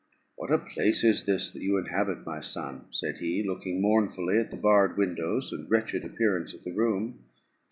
"What a place is this that you inhabit, my son!" said he, looking mournfully at the barred windows, and wretched appearance of the room.